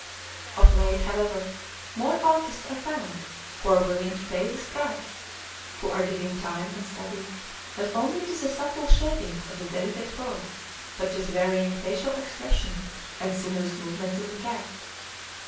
Of late, however, more artists are found who are willing to pay this price, who are giving time and study not only to the subtle shadings of the delicate fur, but to the varying facial expression and sinuous movements of the cat.